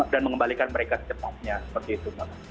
dan mengembalikan mereka sekepatnya seperti itu